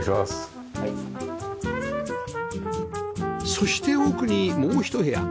そして奥にもうひと部屋